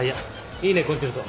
いいねコンチェルト。